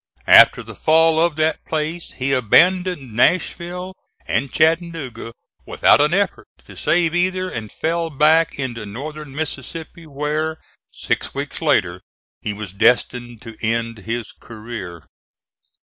After the fall of that place he abandoned Nashville and Chattanooga without an effort to save either, and fell back into northern Mississippi, where, six weeks later, he was destined to end his career.